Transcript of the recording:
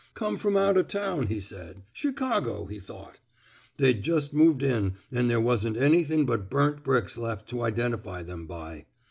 Come from out o* town, he said. Chicago, he thought. They'd just moved in, an' there wasn't anythin' but burned bricks lef to identify them by.